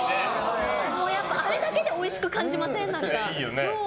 あれだけでおいしく感じません？